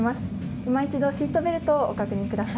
今一度シートベルトをご確認ください。